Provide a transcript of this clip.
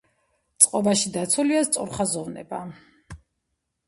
წყობაში დაცულია სწორხაზოვნება.